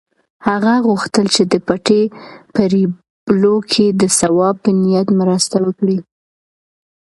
هغه غوښتل چې د پټي په رېبلو کې د ثواب په نیت مرسته وکړي.